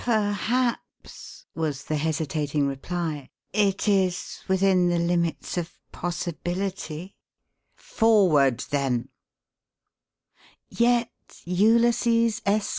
"Perhaps," was the hesitating reply, "it is within the limits of possibility." "Forward, then." Yet Ulysses S.